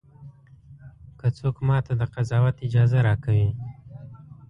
که څوک ماته د قضاوت اجازه راکوي.